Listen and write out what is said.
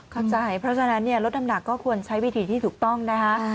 เข้าใจเพราะฉะนั้นลดน้ำหนักก็ควรใช้วิธีที่ถูกต้องนะคะ